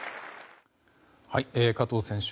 加藤選手